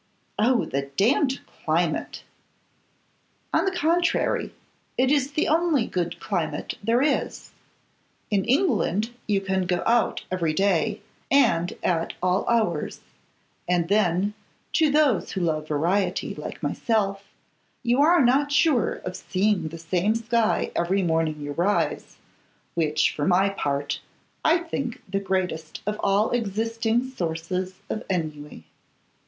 'Oh! the damned climate!' 'On the contrary, it is the only good climate there is. In England you can go out every day, and at all hours; and then, to those who love variety, like myself, you are not sure of seeing the same sky every morning you rise, which, for my part, I think the greatest of all existing sources of ennui.